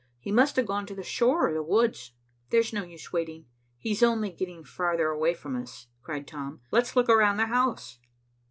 He must have gone to the shore or the woods." "There's no use waiting. He's only getting farther away from us," cried Tom. "Let's look around the house."